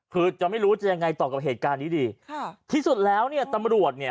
คือจะไม่รู้จะยังไงต่อกับเหตุการณ์นี้ดีค่ะที่สุดแล้วเนี่ยตำรวจเนี่ย